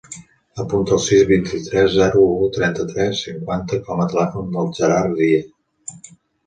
Apunta el sis, vint-i-tres, zero, u, trenta-tres, cinquanta com a telèfon del Gerard Dia.